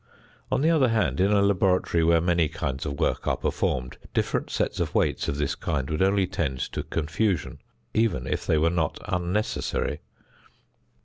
On the other hand, in a laboratory where many kinds of work are performed, different sets of weights of this kind would only tend to confusion, even if they were not unnecessary.